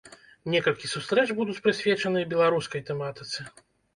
Некалькі сустрэч будуць прысвечаны і беларускай тэматыцы.